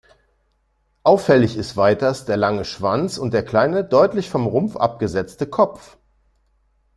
Auffällig ist weiters der lange Schwanz und der kleine, deutlich vom Rumpf abgesetzte Kopf.